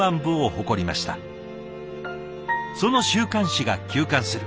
その週刊誌が休刊する。